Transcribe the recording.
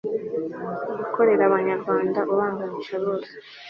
gukorera abanyarwanda ubaganisha bose